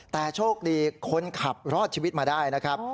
แต่โชคดีคนขับรอดชีวิตมาได้นะครับ